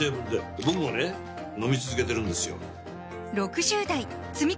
飲み続けてるんですよ